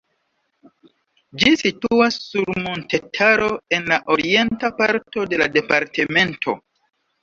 Ĝi situas sur montetaro en la orienta parto de la departemento.